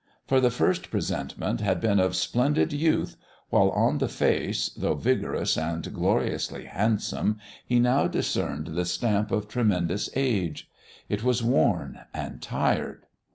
For the first presentment had been of splendid youth, while on the face, though vigorous and gloriously handsome, he now discerned the stamp of tremendous age. It was worn and tired.